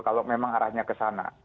kalau memang arahnya ke sana